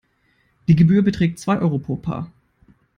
Die Gebühr beträgt zwei Euro pro Paar.